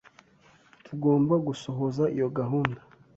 Tugomba gusohoza iyo gahunda.